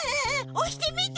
おしてみて！